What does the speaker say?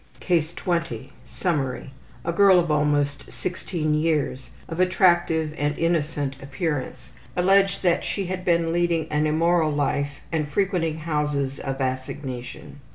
CASE 20 Summary: A girl of almost 16 years, of attractive and innocent appearance, alleged that she had been leading an immoral life and frequenting houses of assignation.